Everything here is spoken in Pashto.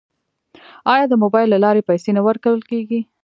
آیا د موبایل له لارې پیسې نه ورکول کیږي؟